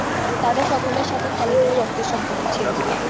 তাদের সকলের সাথে খালিদের রক্তের সম্পর্ক ছিল।